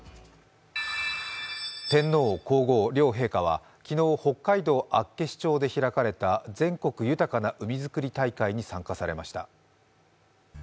天皇皇后両陛下は昨日、北海道厚岸町で開かれた全国豊かな海づくり大会に参加されました。